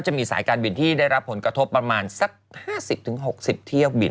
จะมีสายการบินที่ได้รับผลกระทบประมาณสัก๕๐๖๐เที่ยวบิน